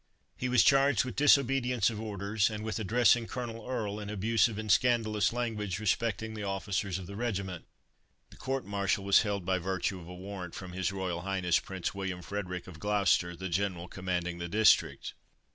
He was charged with "disobedience of orders, and with addressing Colonel Earle in abusive and scandalous language respecting the officers of the regiment." The court martial was held by virtue of a warrant from His Royal Highness Prince William Frederick of Gloucester, the General commanding the district.